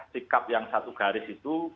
sikap yang satu garis itu